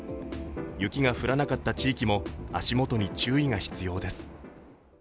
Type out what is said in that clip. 雪が降らなかった地域も、足元に注意が必要です。